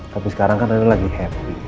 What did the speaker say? tapi sekarang kan ini lagi happy